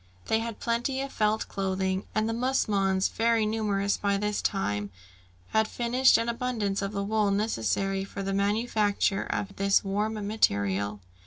They had plenty of felt clothing, and the musmons, very numerous by this time, had furnished an abundance of the wool necessary for the manufacture of this warm material.